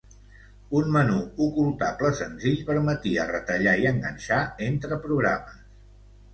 Un menú ocultable senzill permetia retallar i enganxar entre programes.